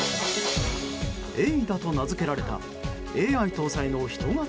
エイダと名付けられたＡＩ搭載の人型